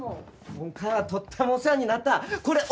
今回はとってもお世話になったこれお礼！